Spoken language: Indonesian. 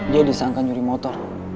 dia disangkan nyuri motor